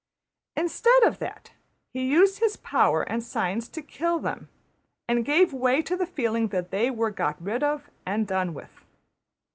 Instead of that he used his power and science to kill them; and gave way to the feeling that they were got rid of and done with.